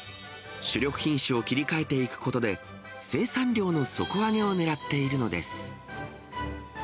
主力品種を切り替えていくことで、生産量の底上げをねらっているのです。